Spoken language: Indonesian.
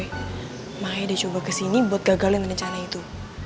emaknya udah coba kesini buat gagalin rencana itu